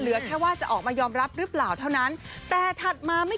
เราบอกว่าทั้งวาวาและอินดี้